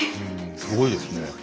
すごいですね。